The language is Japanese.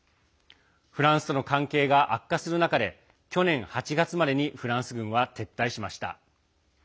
フランスとの関係が悪化する中で去年８月までにフランス軍は撤退しました。